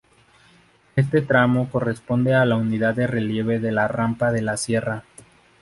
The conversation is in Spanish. Este tramo corresponde a la unidad de relieve de la Rampa de la Sierra.